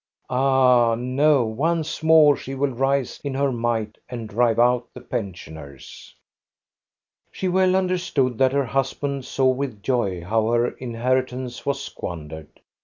Ah, no, once more she will rise in her might and drive out the pensioners. no THE STORY OF GOSTA BE RUNG She well understood that her husband saw with joy how her inheritance was squandered.